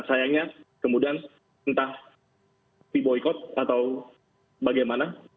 sayangnya kemudian entah diboykot atau bagaimana